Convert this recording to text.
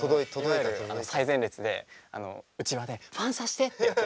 いわゆる最前列でうちわでファンサしてってやってるやつ。